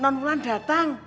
nol mulan datang